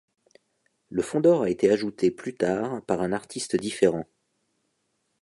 Le fond d'or a été ajouté plus tard par un artiste différent.